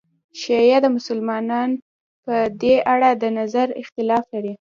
شیعه مسلمانان په دې اړه د نظر اختلاف لري.